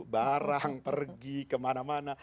barang pergi kemana mana